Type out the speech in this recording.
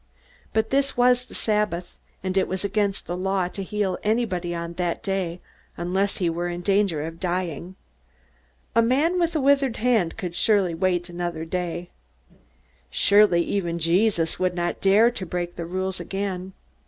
But this was the Sabbath, and it was against the Law to heal anybody on that day unless he were in danger of dying. A man with a withered hand could wait another day. Surely even Jesus would not dare to break the rules again!